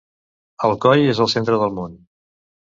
Alcoi és el centre del món.